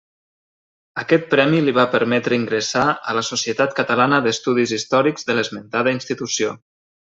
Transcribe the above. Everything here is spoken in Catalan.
Aquest premi li va permetre ingressar a la Societat Catalana d'Estudis Històrics de l'esmentada Institució.